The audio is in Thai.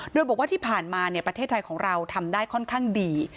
โดยบอกว่าที่ผ่านมาประเทศไทยของเราทำได้ค่อนข้างดี